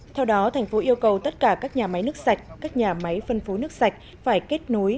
theo đó thành phố yêu cầu tất cả các nhà máy nước sạch các nhà máy phân phối nước sạch phải kết nối